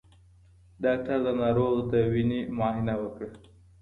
ډاکټر د ناروغ د وینې معاینه وکړه.